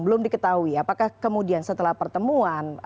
belum diketahui apakah kemudian setelah pertemuan